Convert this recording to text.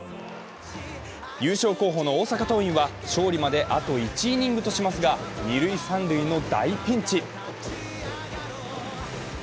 優勝候補の大阪桐蔭は勝利まであと１イニングとしますが二・三塁の大ピンチ。